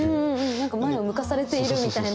何か前を向かされているみたいな。